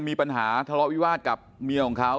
มีปัญหาทะเลาะวิวาสกับเมียของเขา